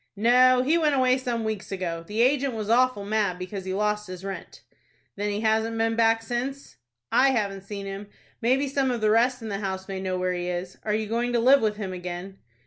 "No, he went away some weeks ago. The agent was awful mad because he lost his rent." "Then he hasn't been back since?" "I haven't seen him. Maybe some of the rest in the house may know where he is. Are you going to live with him again?"